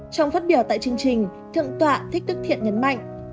trong phát biểu tại chương trình thượng tọa thích đức thiện nhấn mạnh